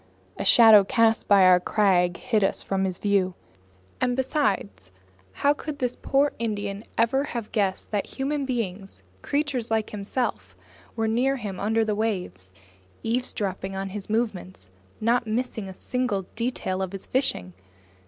A shadow cast by our crag hid us from his view. And besides, how could this poor Indian ever have guessed that human beings, creatures like himself, were near him under the waters, eavesdropping on his movements, not missing a single detail of his fishing!